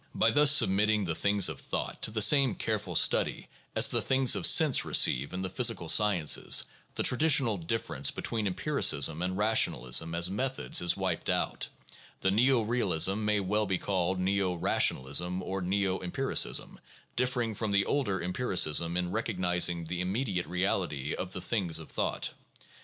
By thus submitting the things of thought to the same careful study as the things of sense receive in the physical sciences, the traditional dif ference between empiricism and rationalism as methods is wiped out, and neo realism may as well be called neo rationalism or neo em piricism — differing from the older empiricism in recognizing the im mediate reality of the "things of thought."